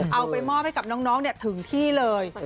เอาไปมอบให้กับน้องถึงที่เลย